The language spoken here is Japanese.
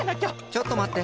ちょっとまって。